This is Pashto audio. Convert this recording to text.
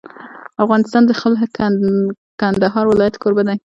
افغانستان د خپل کندهار ولایت کوربه دی.